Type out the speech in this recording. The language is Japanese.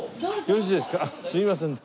あっすいません。